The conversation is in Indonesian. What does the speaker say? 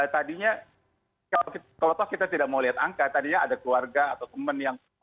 tadinya kalau kita tidak mau lihat angka tadinya ada keluarga atau teman yang